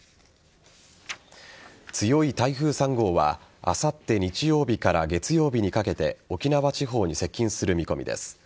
強い台風３号はあさって日曜日から月曜日にかけて沖縄地方に接近する見込みです。